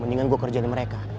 mendingan gue kerja di mereka